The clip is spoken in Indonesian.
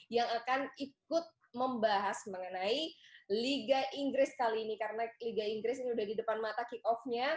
yang akan ikut membahas mengenai liga inggris kali ini karena liga inggris ini sudah di depan mata kikol